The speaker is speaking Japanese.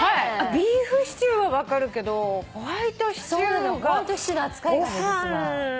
ビーフシチューは分かるけどホワイトシチューがご飯。